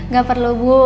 gak perlu bu